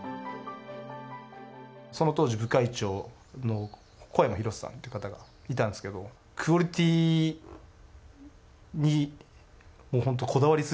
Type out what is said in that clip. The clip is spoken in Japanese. その当時部会長の小山博さんという方がいたんですけどクオリティーにもう本当こだわりすぎている。